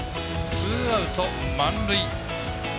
ツーアウト満塁。